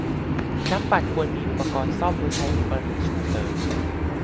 นักปั่นควรมีอุปกรณ์ซ่อมไว้ใช้ในกรณีฉุกเฉิน